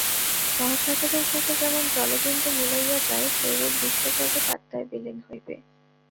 মহাসাগরের বুকে যেমন জলবিন্দু মিলাইয়া যায়, সেইরূপ বিশ্ব জগৎ আত্মায় বিলীন হইবে।